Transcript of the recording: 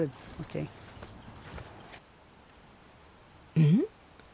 うん？